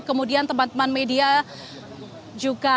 kemudian teman teman media juga